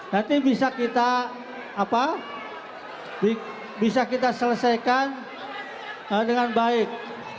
nanti bisa kita selesaikan dengan baik